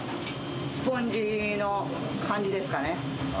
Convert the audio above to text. スポンジの感じですかね。